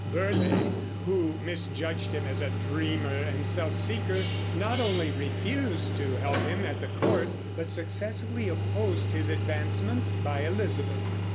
Burleigh, who misjudged him as a dreamer and self seeker, not only refused to help him at the court but successfully opposed his advancement by Elizabeth.